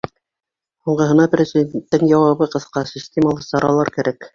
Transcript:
Һуңғыһына Президенттың яуабы ҡыҫҡа: системалы саралар кәрәк.